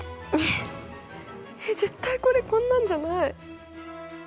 えっ絶対これこんなんじゃない。